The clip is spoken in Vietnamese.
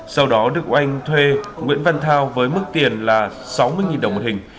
sau đó đức oanh thuê nguyễn văn thao với mức tiền là sáu mươi đồng một hình